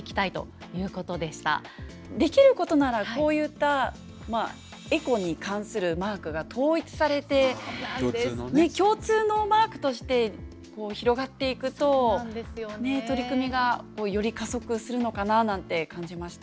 できることならこういったエコに関するマークが統一されて共通のマークとして広がっていくと取り組みがより加速するのかななんて感じました。